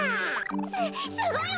すすごいわ！